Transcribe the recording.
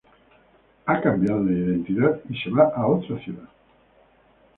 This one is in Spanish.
Ha cambiado de identidad y se va a otra ciudad.